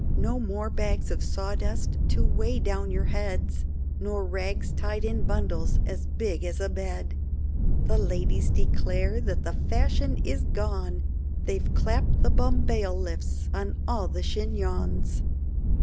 No more bags of sawdust to way down your heads, Nor rags tied in bundles as big as a bed, The ladies declare that the fashion is gone, They've clapp'd the bumbailiffs on all the chignons.